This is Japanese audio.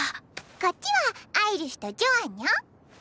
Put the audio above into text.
こっちはアイリスとジョアンにょ。